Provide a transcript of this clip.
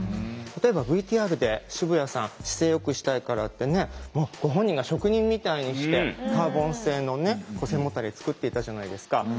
例えばＶＴＲで渋谷さん姿勢よくしたいからってねご本人が職人みたいにしてカーボン製のね背もたれ作っていたじゃないですか。